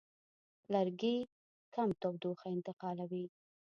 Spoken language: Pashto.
لرګي کم تودوخه انتقالوي.